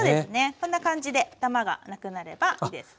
こんな感じでダマがなくなればいいですね。